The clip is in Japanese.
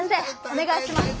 おねがいします。